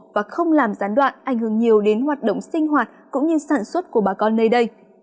và không làm gián đoạn ảnh hưởng nhiều đến hoạt động sinh hoạt cũng như sản xuất của bà con nơi đây